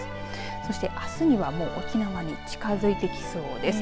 そしてあすには沖縄に近づいてきそうです。